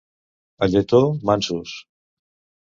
A Lletó, mansos.